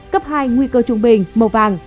cấp hai nguy cơ trung bình màu vàng